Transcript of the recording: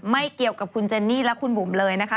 ไม่เกี่ยวกับคุณเจนนี่และคุณบุ๋มเลยนะคะ